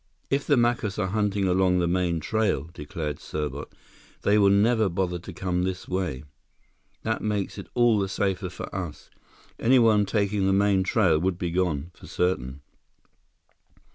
"If the Macus are hunting along the main trail," declared Serbot, "they will never bother to come this way. That makes it all the safer for us. Anyone taking the main trail would be gone, for certain."